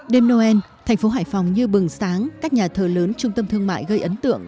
đêm noel thành phố hải phòng như bừng sáng các nhà thờ lớn trung tâm thương mại gây ấn tượng